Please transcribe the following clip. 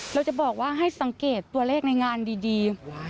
เราจะบอกว่าให้สังเกตตัวเลขในงานดี